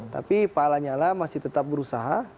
tapi pak lanyala masih tetap berusaha